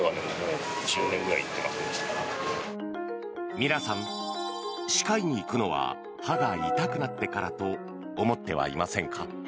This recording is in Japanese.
皆さん、歯科医に行くのは歯が痛くなってからと思ってはいませんか。